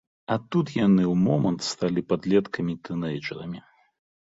А тут яны ў момант сталі падлеткамі-тынэйджэрамі!